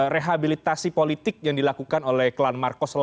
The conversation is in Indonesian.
rehabilitasi politik yang dilakukan oleh klan marcos